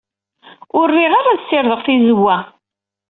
Ur riɣ ara ad ssirdeɣ tizewwa.